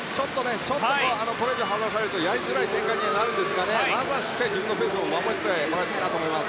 ちょっとこれ以上離されるとやりづらい展開になりますがまずはしっかり自分のペースを守ってもらいたいと思います。